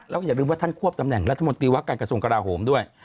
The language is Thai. แล้วก็อย่าลืมว่าท่านควบตำแหน่งรัฐมนตรีว่าการกระทรวงกราโหมด้วย